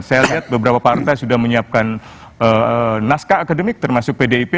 saya lihat beberapa partai sudah menyiapkan naskah akademik termasuk pdip